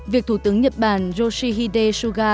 việc thủ tướng nhật bản yoshihide suga